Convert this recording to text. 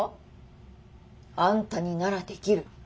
あんたにならできる。